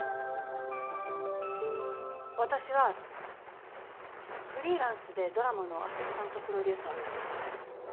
私はフリーランスでドラマのアシスタントプロデューサーをやってます。